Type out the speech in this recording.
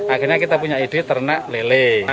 akhirnya kita punya ide ternak lele